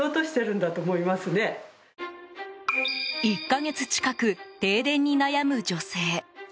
１か月近く、停電に悩む女性。